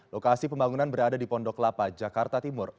lokasi pembangunan berada di pondok lapa jakarta timur